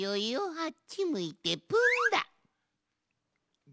あっちむいてプンだ！